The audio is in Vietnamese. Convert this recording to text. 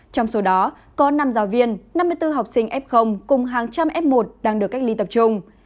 trong số đó có năm giáo viên năm mươi bốn học sinh f cùng hàng trăm f một đang được cách ly tập trung